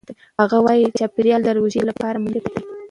هغه وايي چاپېریال د روژې لپاره مناسب دی.